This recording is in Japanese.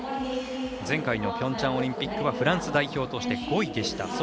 前回のピョンチャンオリンピックフランス代表として５位でした。